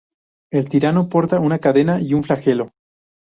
El tirano porta una cadena y un flagelo.